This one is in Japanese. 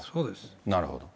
なるほど。